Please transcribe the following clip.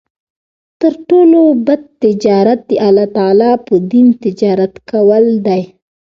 تر ټولو بَد تجارت د الله تعالی په دين تجارت کول دی